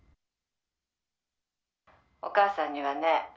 「お母さんにはね